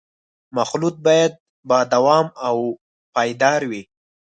مخلوط باید با دوام او پایدار وي